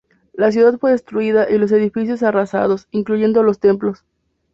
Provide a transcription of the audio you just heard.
La ciudad fue destruida, y los edificios arrasados, incluyendo los templos.